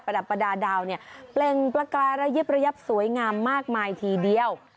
ระดับประดาษดาวเนี่ยเปล่งประกายระยิบระยับสวยงามมากมายทีเดียว